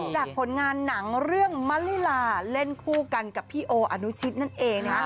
จากผลงานหนังเรื่องมะลิลาเล่นคู่กันกับพี่โออนุชิตนั่นเอง